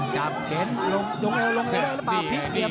จับเข้นลงเลยเปลี่ยน